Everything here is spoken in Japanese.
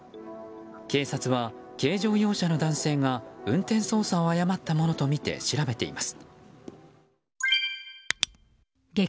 警察は軽乗用車の男性が運転操作を誤ったものとみて調べています。